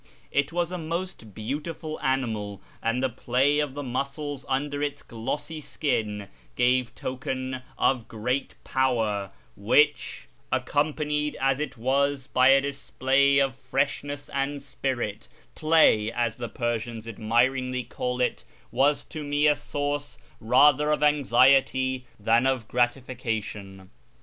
It was a most beautiful animal, and the play of the muscles under its glossy skin gave token of great power, which, accompanied ^ See footnote on p. 272, siqjra. 2So A YEAR AMONGST THE PERSIANS as it was by a display of freshness and spirit (" play," as the Persians admiringly call it), M'as to me a source rather ol' anxiety than of gratification.